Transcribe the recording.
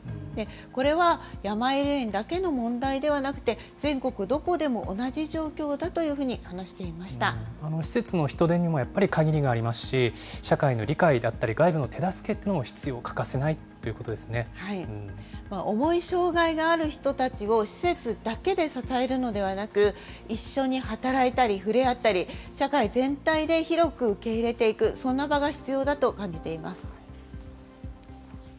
これはやまゆり園だけの問題ではなくて、全国どこでも同じ状況だ施設の人手にもやっぱり限りがありますし、社会の理解だったり、外部の手助けというのも必要、重い障害がある人たちを施設だけで支えるのではなく、一緒に働いたり、ふれあったり、社会全体で広く受け入れていく、そんな場が必要だと感じています。